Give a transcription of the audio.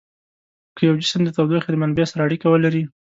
که یو جسم د تودوخې له منبع سره اړیکه ولري.